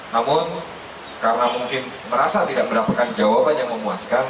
namun karena mungkin merasa tidak mendapatkan jawaban yang memuaskan